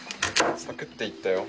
サクッといったよ。